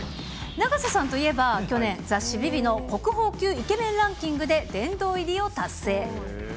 永瀬さんといえば、去年、雑誌、ヴィヴィの国宝級イケメンランキングで殿堂入りを達成。